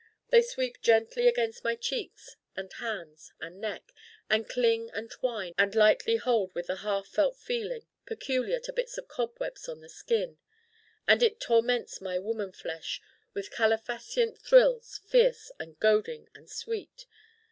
They sweep gently against my cheeks and hands and neck, and cling and twine and lightly hold with the half felt feeling peculiar to bits of cobwebs on the skin. And it torments my woman flesh with calefacient thrills fierce and goading and sweet.